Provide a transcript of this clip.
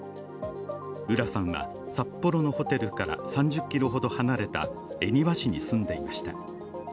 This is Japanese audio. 浦さんは、札幌のホテルから３０ｋｍほど離れた恵庭市に住んでいました。